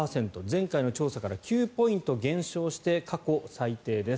前回の調査から９ポイント減少して過去最低です。